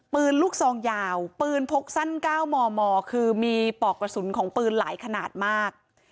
ปืนลูกซองยาวปืนพกสั้น๙มมคือมีปอกกระสุนของปืนหลายขนาดมาก